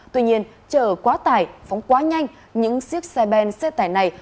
tuy nhiên chờ quá tải phóng quá nhanh những siếc xe ben xe tải này